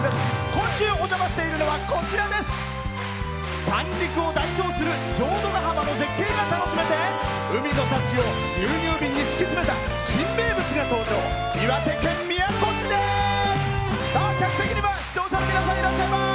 今週お邪魔しているのは三陸を代表する浄土ヶ浜の絶景が楽しめて海の幸を牛乳瓶に敷き詰めた新名物が登場、岩手県宮古市です。